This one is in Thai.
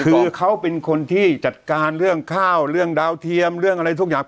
คือเขาเป็นคนที่จัดการเรื่องข้าวเรื่องดาวเทียมเรื่องอะไรทุกอย่าง